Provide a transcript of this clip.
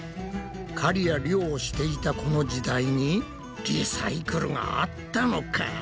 狩りや漁をしていたこの時代にリサイクルがあったのか！？